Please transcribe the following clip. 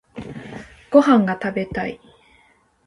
ご飯が食べたい